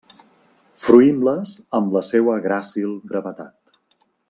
Fruïm-les amb la seua gràcil brevetat.